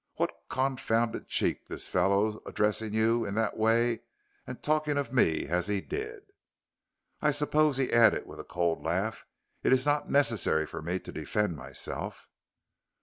What confounded cheek this fellow addressing you in that way and talking of me as he did. I suppose," he added with a cold laugh, "it is not necessary for me to defend myself."